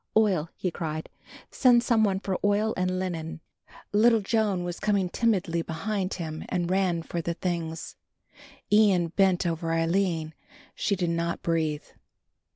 "Oil," he cried, "send some one for oil and linen." Little Joan was coming timidly behind and ran for the things. Ian bent over Aline; she did not breathe.